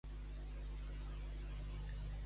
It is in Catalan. A la recíproca.